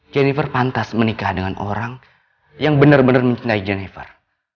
jennifer pantas menikah dengan orang yang benar benar mencintai jennifer